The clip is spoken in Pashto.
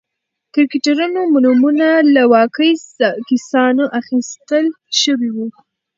کرکټرونو نومونه له واقعي کسانو اخیستل شوي و.